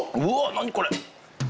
何これ！